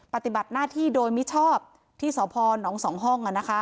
ปฏิบัติหน้าที่โดยมิชอบที่สพน๒ห้อง